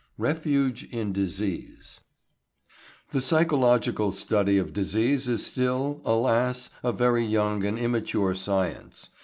REFUGE IN DISEASE The psychological study of disease is still, alas! a very young and immature science.